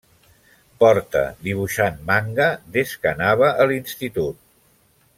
Porta dibuixant manga des que anava a l'institut.